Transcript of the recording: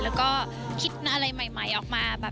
แล้วก็คิดอะไรใหม่ออกมา